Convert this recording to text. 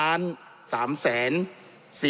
รวมทั้งสิ้นเรามีจำนวนแปลงทั้งสิ้น๓๙๕๐๔๙๐๑